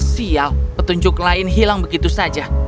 sial petunjuk lain hilang begitu saja